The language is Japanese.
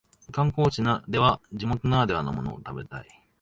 観光地では地元ならではのものを食べたい